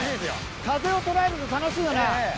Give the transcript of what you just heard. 風を捉えると楽しいよな。